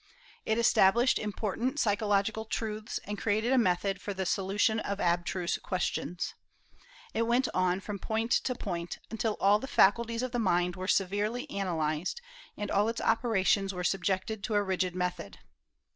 It established important psychological truths and created a method for the solution of abstruse questions. It went on from point to point, until all the faculties of the mind were severely analyzed, and all its operations were subjected to a rigid method.